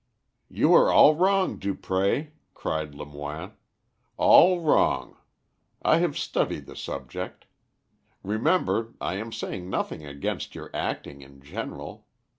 "You are all wrong, Dupré," cried Lemoine, "all wrong. I have studied the subject. Remember, I am saying nothing against your acting in general.